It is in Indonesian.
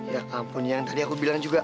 ya ampun yang tadi aku bilang juga